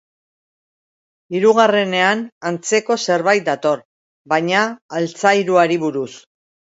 Hirugarrenean antzeko zerbait dator, baina altzairuari buruz.